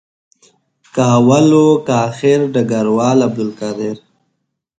که اول وو که آخر ډګروال عبدالقادر.